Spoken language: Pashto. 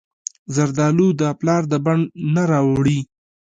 زردالو د پلار د بڼ نه راوړي.